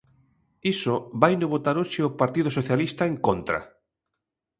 Iso vaino votar hoxe o Partido Socialista en contra.